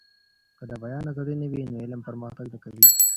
که د بيان ازادي نه وي نو علم پرمختګ نه کوي.